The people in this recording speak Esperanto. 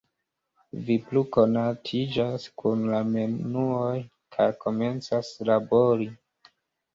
Vi plu konatiĝas kun la menuoj kaj komencas labori.